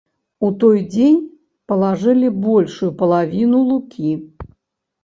У той дзень палажылі большую палавіну лукі.